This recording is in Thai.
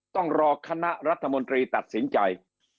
ต้องรอคณะรัฐมนตรีตัดสินใจ